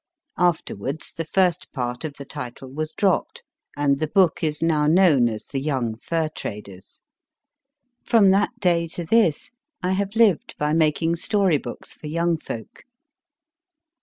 Afterwards the first part of the title was dropped, and the MR. BALLANTYNE S HOUSE AT HARPOW ! book is now known as The Young Fur traders. From that day to this I have lived by making story books for young folk.